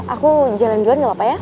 aku jalan duluan gak apa apa ya